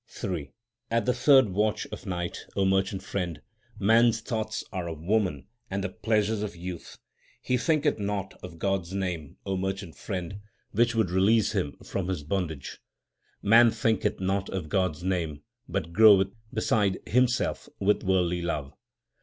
Ill At the third watch of night, O merchant friend, man s thoughts are of woman and the pleasures of youth ; He thinketh not of God s name, O merchant friend, which would release him from his bondage. Man thinketh not of God s name, but groweth beside him self with worldly love.